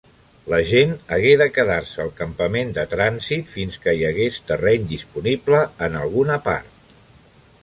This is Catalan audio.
La gent hagué de quedar-se al campament de trànsit fins que hi hagués terreny disponible en alguna part.